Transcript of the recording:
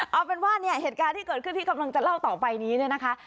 เอาเป็นว่าเนี่ยเหตุการณ์ที่เกิดขึ้นที่กำลังจะเล่าต่อไปนี้เนี่ยนะคะ